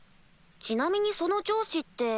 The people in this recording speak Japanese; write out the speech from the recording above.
ちなみにその上司って。